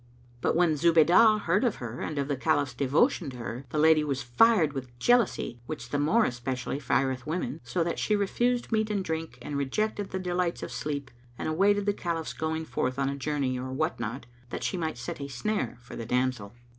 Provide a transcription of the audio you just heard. But when Zubaydah heard of her and of the Caliph's devotion to her, the Lady was fired with the jealousy which the more especially fireth women, so that she refused meat and drink and rejected the delights of sleep and awaited the Caliph's going forth on a journey or what not, that she might set a snare for the damsel.